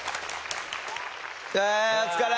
お疲れ！